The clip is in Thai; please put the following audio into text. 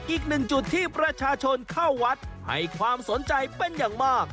อีกหนึ่งจุดที่ประชาชนเข้าวัดให้ความสนใจเป็นอย่างมาก